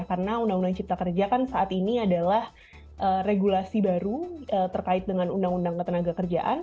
karena undang undang cipta kerja kan saat ini adalah regulasi baru terkait dengan undang undang ketenagakerjaan